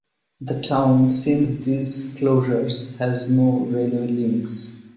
The town, since these closures, has no railway links.